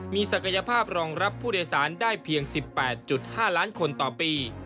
มีศักยภาพรองรับผู้โดยสารได้เพียง๑๘๕ล้านคนต่อปี